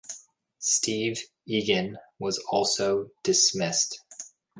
Steve Egan was also dismissed.